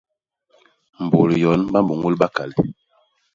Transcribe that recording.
Mbôl yon ba mbôñôl bakale.